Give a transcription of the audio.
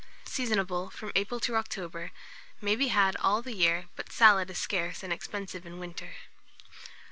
Seasonable from April to October; may be had all the year, but salad is scarce and expensive in winter.